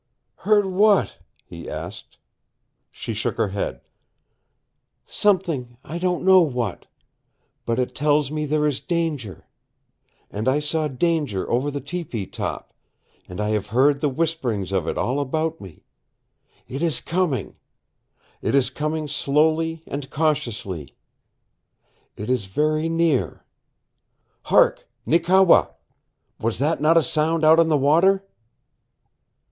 "Heard what?" he asked. She shook her head. "Something I don't know what. But it tells me there is danger. And I saw danger over the tepee top, and I have heard whisperings of it all about me. It is coming. It is coming slowly and cautiously. It is very near. Hark, Neekewa! Was that not a sound out on the water?"